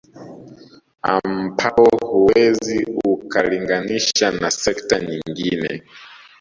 Ampapo huwezi ukalinganisha na sekta nyingine